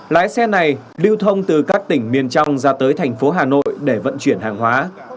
lái xe này lưu thông từ các tỉnh miền trong ra tới thành phố hà nội để vận chuyển hàng hóa